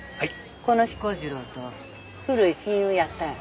この彦次郎と古い親友やったんやて？